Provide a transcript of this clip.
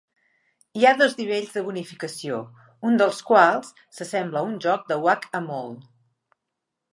Hi ha dos nivells de bonificació, un dels quals s'assembla a un joc de Whac-A-Mole.